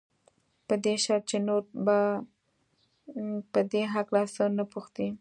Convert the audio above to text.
په دې شرط چې نور به په دې هکله څه نه پوښتې.